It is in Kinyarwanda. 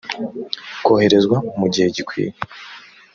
koherezwa mu gihe gikwiye